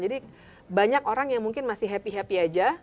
jadi banyak orang yang mungkin masih happy happy